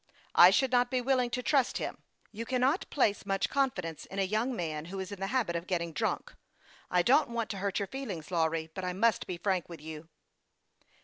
I should not be willing to trust him. You cannot place much confidence in a young man who is in the habit of getting drunk. I don't want to hurt your feelings, Lawry, but I must be frank with you."